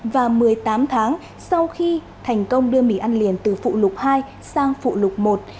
và một mươi tám tháng sau khi thành công đưa mì ăn liền từ phụ lục hai sang phụ lục một